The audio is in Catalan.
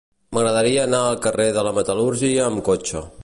M'agradaria anar al carrer de la Metal·lúrgia amb cotxe.